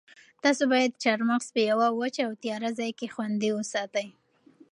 تاسو باید چهارمغز په یوه وچ او تیاره ځای کې خوندي وساتئ.